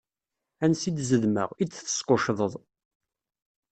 Ansi i d-zedmeɣ, i d-tesquccḍeḍ.